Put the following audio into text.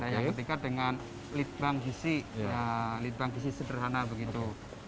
yang ketiga dengan litbang gizi sederhana begitu